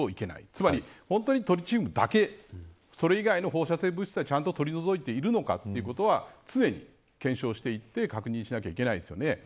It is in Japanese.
つまり、本当にトリチウムだけそれ以外の放射性物質はちゃんと取り除いているのかというのは常に検証していって確認しないといけないですよね。